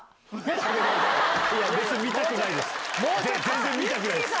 全然見たくないです。